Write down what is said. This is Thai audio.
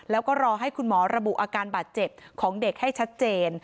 แล้วก็รอให้คุณหมอระบุอาการบาดเจ็บของเด็กให้ชัดเจน